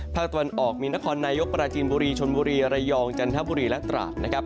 ตะวันออกมีนครนายกปราจีนบุรีชนบุรีระยองจันทบุรีและตราดนะครับ